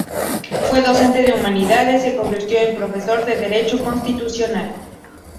Fue docente de humanidades, se convirtió en profesor de derecho constitucional.